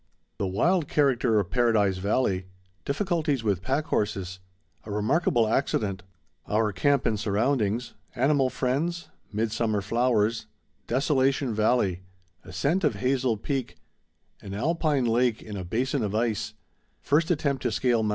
_The Wild Character of Paradise Valley—Difficulties with Pack Horses—A Remarkable Accident—Our Camp and Surroundings—Animal Friends—Midsummer Flowers—Desolation Valley—Ascent of Hazel Peak—An Alpine Lake in a Basin of Ice—First Attempt to Scale Mt.